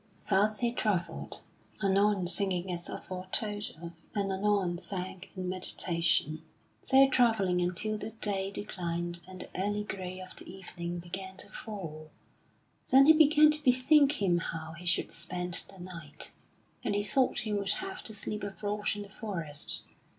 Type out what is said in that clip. Thus he travelled, anon singing as aforetold of, and anon sank in meditation, so travelling until the day declined and the early gray of the evening began to fall. Then he began to bethink him how he should spend the night, and he thought he would have to sleep abroad in the forest.